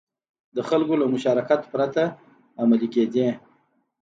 د خلکو له مشارکت پرته عملي کېدې.